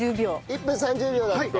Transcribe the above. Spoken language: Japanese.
１分３０秒だって。